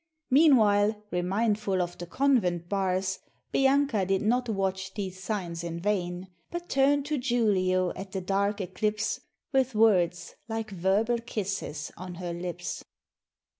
Meanwhile, remindful of the convent bars, Bianca did not watch these signs in vain, But turn'd to Julio at the dark eclipse, With words, like verbal kisses, on her lips.